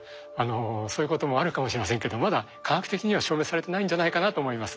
そういうこともあるかもしれませんけどまだ科学的には証明されてないんじゃないかなと思います。